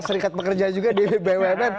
serikat pekerjaan juga di bwm